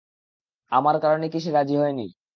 আমার কারণে কি সে রাজি হয়নি?